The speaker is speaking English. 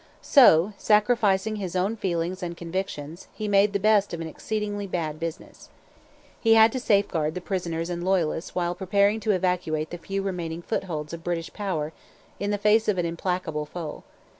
So, sacrificing his own feelings and convictions, he made the best of an exceedingly bad business. He had to safeguard the prisoners and Loyalists while preparing to evacuate the few remaining footholds of British power in the face of an implacable foe.